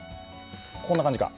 こんな感じか。